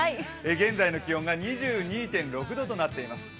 現在の気温が２２．６度となっています。